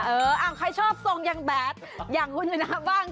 เออใครชอบทรงยังแบดอย่างคุณอยู่หน้าบ้าง